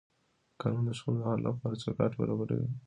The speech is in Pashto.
قانون د شخړو د حل لپاره چوکاټ برابروي.